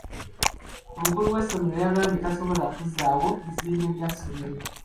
Omukulu w'essomero yagambye tasobola kuzzaawo bizimbe bya ssomero.